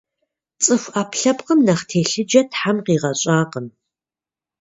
Цӏыху ӏэпкълъэпкъым нэхъ телъыджэ Тхьэм къигъэщӏакъым.